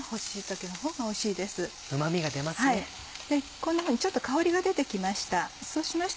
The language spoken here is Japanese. こんなふうにちょっと香りが出て来ました。